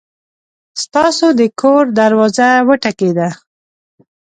ستاسو د کور دروازه وټکېده!